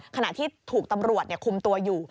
ขณะที่ถูกตำรวจคุมตัวอยู่